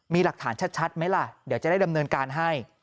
มีหลักฐานชัดไหมล่ะเดี๋ยวจะได้ดำเนินการให้